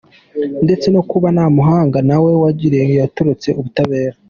Ndetse no kuba Ntamuhanga nawe wajuriye yaratorotse ubutabera.